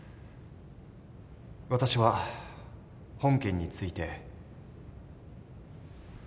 私は本件について。